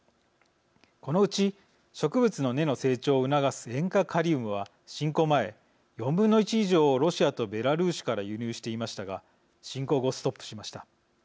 このうち植物の根の成長を促す塩化カリウムは侵攻前４分の１以上をロシアとベラルーシから輸入していましたが侵攻後ストップしました。